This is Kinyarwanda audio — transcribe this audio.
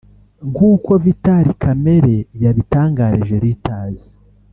nk’uko Vital Kamerhe yabitangarije Reuters